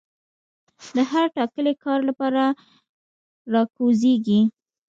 د هر ټاکلي کار لپاره را کوزيږي